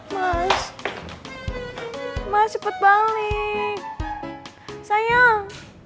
mas mas cepet balik sayang